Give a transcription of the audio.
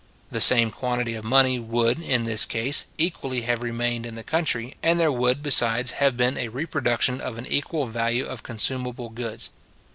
The same quantity of money would, in this case, equally have remained in the country, and there would, besides, have been a reproduction of an equal value of consumable goods.